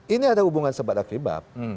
ini ada hubungan sebatak ribab